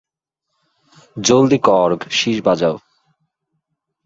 জলদি কর্গ, শিস বাজাও।